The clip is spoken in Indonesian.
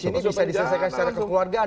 di sini bisa diselesaikan secara kekeluargaan